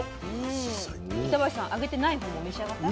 板橋さん揚げてないほうも召し上がった？